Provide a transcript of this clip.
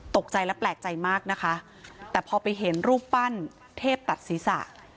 ตกใจและแปลกใจมากนะคะแต่พอไปเห็นรูปปั้นเทพตัดศีรษะ